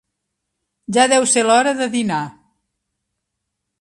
Ja deu ser l'hora de dinar.